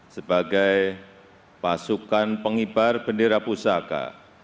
sebagai pasukan pengibar bendera pusaka